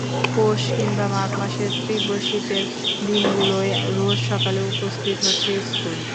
পৌষ কিংবা মাঘ মাসের তীব্র শীতের দিনগুলোয় রোজ সকালে উপস্থিত হচ্ছে স্কুলে।